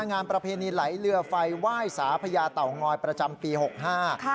งานประเพณีไหลเรือไฟไหว้สาพญาเต่างอยประจำปีหกห้าค่ะ